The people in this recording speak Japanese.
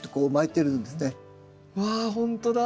わほんとだ。